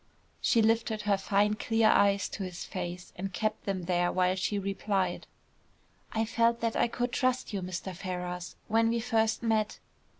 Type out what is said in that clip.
She lifted her fine clear eyes to his face and kept them there while she replied. "I felt that I could trust you, Mr. Ferrars, when we first met.